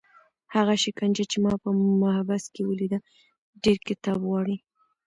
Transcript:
هغه شکنجه چې ما په محبس کې ولیده ډېر کتاب غواړي.